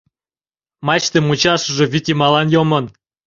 Мачте мучаш уже вӱд йымалан йомын.